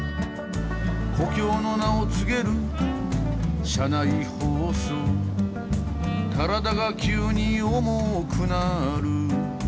「故郷の名を告げる車内放送」「体が急に重くなる」